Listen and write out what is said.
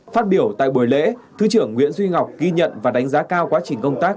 phát biểu tại buổi lễ thứ trưởng nguyễn duy ngọc ghi nhận và đánh giá cao quá trình công tác